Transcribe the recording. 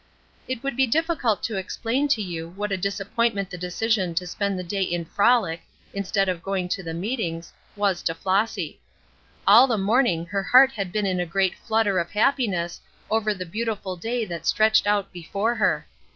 It would be difficult to explain to you what a disappointment the decision to spend the day in frolic, instead of going to the meetings, was to Flossy. All the morning her heart had been in a great flutter of happiness over the beautiful day that stretched out before her.